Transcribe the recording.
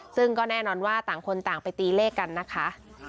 ซึ่งก็แน่นอนว่าต่างคนต่างไปตีเลขกันนะคะ